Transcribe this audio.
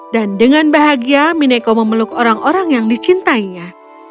dan dengan bahagia mineko memeluk orang orang yang dicintainya